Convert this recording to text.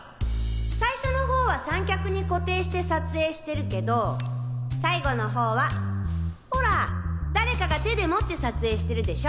最初の方は三脚に固定して撮影してるけど最後の方はホラ誰かが手で持って撮影してるでしょ？